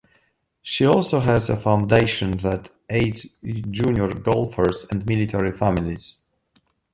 She also has a foundation that aids junior golfers and military families.